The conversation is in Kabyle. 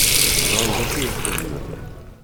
Ẓṛan dacu i xeddmen.